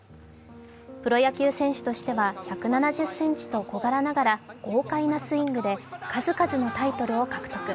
プロ野球選手としては１７０ｃｍと小柄ながら豪快なスイングで数々のタイトルを獲得。